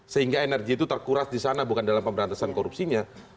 sehingga energi itu terkuras di sana bukan dalam pemberantasan korupsinya